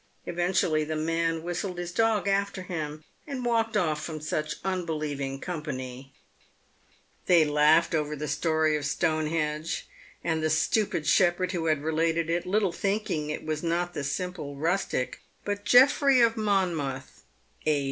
Eventually the man whistled his dog after him, and walked off from such unbelieving company. v2 292 PAVED WITH GOLD. They laughed over the story of Stonehenge, and the stupid shepherd who had related it, little thinking it was not the simple rustic, but Jeffery of Monmouth (a.